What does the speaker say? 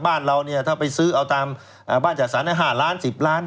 บ้านเราถ้าไปซื้อเอาตามบ้านจัดสรรละ๕๑๐ล้าน